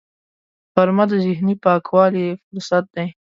غرمه د ذهني پاکوالي فرصت دی